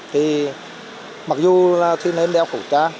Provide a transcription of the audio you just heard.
thì mặc dù thì nên đeo khẩu trang